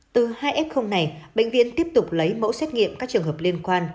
từ hai f này bệnh viện tiếp tục lấy mẫu xét nghiệm các trường hợp liên quan